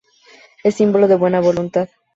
Es símbolo de buena voluntad.